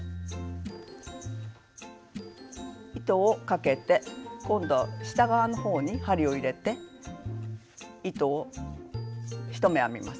糸をかけて今度は下側の方に針を入れて糸を１目編みます。